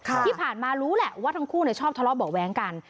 ที่ผ่านมารู้แหละว่าทั้งคู่เนี่ยชอบทะเลาะเบาะแว้งกัน